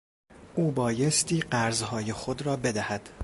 او بایستی قرضهای خود را بدهد.